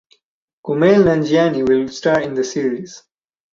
Kumail Nanjiani will star in the series.